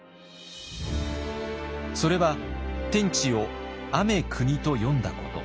それは「天地」を「アメクニ」と読んだこと。